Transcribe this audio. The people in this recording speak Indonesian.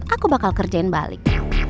aku bakal kerjain balik